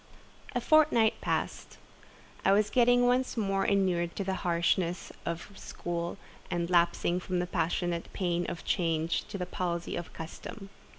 A fortnight passed; I was getting once more inured to the harness of school, and lapsing from the passionate pain of change to the palsy of custom.